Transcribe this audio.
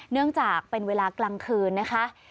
เนื่องจากเป็นเวลากลางคืนนะคะ